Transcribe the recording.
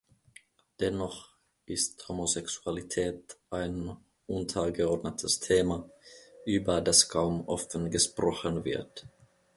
Dennoch ist Homosexualität ein untergeordnetes Thema, über das kaum offen gesprochen wird.